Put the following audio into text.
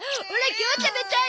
今日食べたい。